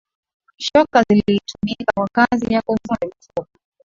shoka zilitumika kwa kazi ya kuvunja mifupa